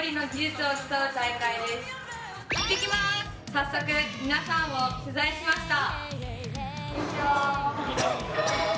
早速、皆さんを取材しました。